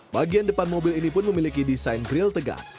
bagian depan mobil ini pun memiliki desain grill tegas